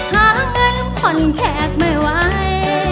หาเงินผ่อนแขกไม่ไหว